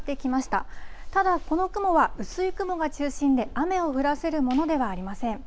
ただ、この雲は薄い雲が中心で、雨を降らせるものではありません。